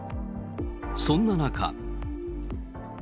そんな中。